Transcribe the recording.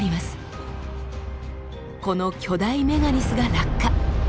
この巨大メガリスが落下。